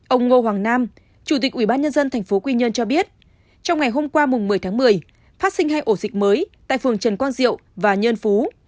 ông ngô hoàng nam chủ tịch ủy ban nhân dân thành phố quy nhơn cho biết trong ngày hôm qua một mươi tháng một mươi phát sinh hai ổ dịch mới tại phường trần quang diệu và nhân phú